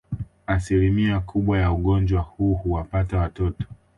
Asilimia kubwa ya ugonjwa huu huwapata watoto